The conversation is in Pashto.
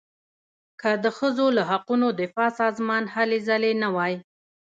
که د ښځو له حقونو دفاع سازمان هلې ځلې نه وای.